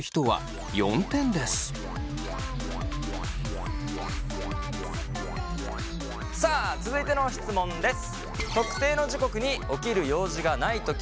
まずはさあ続いての質問です！